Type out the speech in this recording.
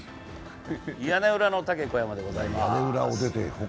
屋根裏のタケ小山でございます。